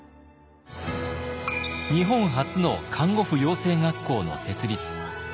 日本初の看護婦養成学校の設立。